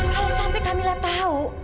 kalau sampai kamila tahu